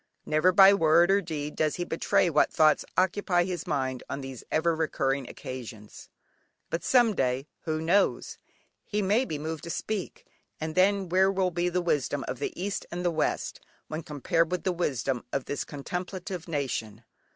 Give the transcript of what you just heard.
Never by word or deed does he betray what thoughts occupy his mind on these ever recurring occasions, but someday, who knows? he may be moved to speak, and then where will be the wisdom of the East and of the West, when compared with the wisdom of this contemplative nation?